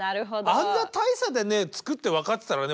あんな大差でねつくって分かってたらね